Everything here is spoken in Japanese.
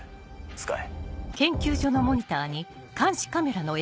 使え。